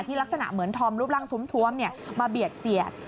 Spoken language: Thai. ลักษณะเหมือนธอมรูปร่างท้วมมาเบียดเสียด